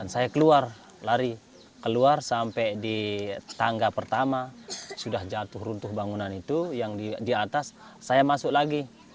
saya keluar lari keluar sampai di tangga pertama sudah jatuh runtuh bangunan itu yang di atas saya masuk lagi